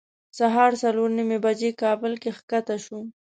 سهار څلور نیمې بجې کابل کې ښکته شوو.